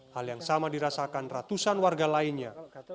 hal yang sama dirasakan ratusan warga lainnya